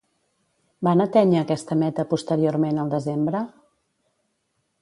Van atènyer aquesta meta posteriorment al desembre?